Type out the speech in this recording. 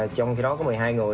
trong khi đó có một mươi hai người